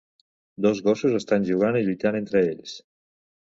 Dos gossos estan jugant i lluitant entre ells.